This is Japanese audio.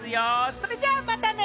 それじゃまたね！